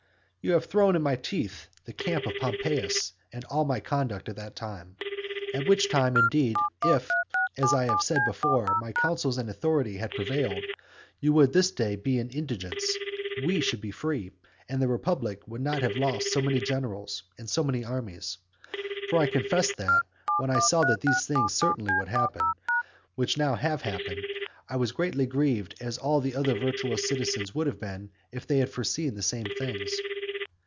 XV. You have thrown in my teeth the camp of Pompeius and all my conduct at that time. At which time, indeed, if, as I have said before, my counsels and my authority had prevailed, you would this day be in indigence, we should be free, and the republic would not have lost so many generals and so many armies. For I confess that, when I saw that these things certainly would happen, which now have happened, I was as greatly grieved as all the other virtuous citizens would have been if they had foreseen the same things.